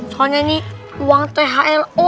soalnya ini uang thlo